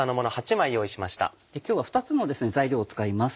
今日は２つの材料を使います。